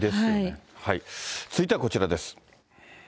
続いてはこちらです。